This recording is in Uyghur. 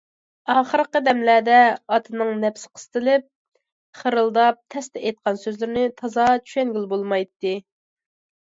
ئاخىرقى دەملەردە ئاتىنىڭ نەپسى قىسىلىپ، خىرىلداپ تەستە ئېيتقان سۆزلىرىنى تازا چۈشەنگىلى بولمايتتى.